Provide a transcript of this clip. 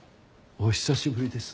お久しぶりです。